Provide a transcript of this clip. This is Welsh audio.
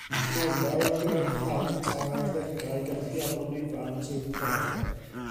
Nofel ar gyfer plant a'r arddegau gan Rhiannon Ifans yw Paul.